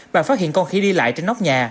bà phát hiện con khỉ đi lại trên nóc nhà